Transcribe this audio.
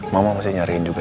mama masih nyariin juga